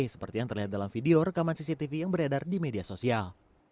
seperti yang terlihat dalam video rekaman cctv yang beredar di media sosial